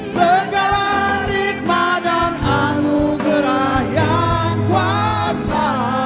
segala nikmat dan anugerah yang kuasa